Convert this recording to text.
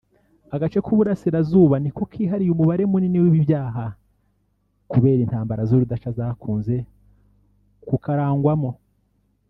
Agace k’u Burasirazuba ni ko kihariye umubare munini w’ibi byaha kubera intambara z’urudaca zakunze kukarangwamo